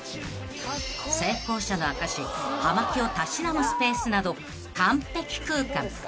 ［成功者の証し葉巻をたしなむスペースなど完璧空間］